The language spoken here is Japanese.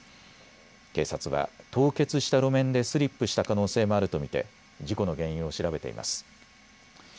警察は凍結した路面でスリップした可能性もあると見て事故の原因を調べています。